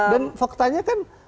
dan faktanya kan